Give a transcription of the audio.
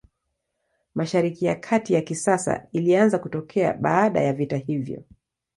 Mashariki ya Kati ya kisasa ilianza kutokea baada ya vita hiyo.